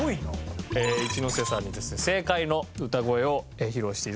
一ノ瀬さんに正解の歌声を披露して頂きましょう。